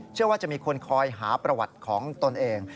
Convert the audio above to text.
เชื่อว่าจะมีคนคอยหาประวัติของตนเอง